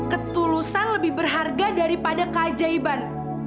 ketulusan lebih berharga daripada keajaiban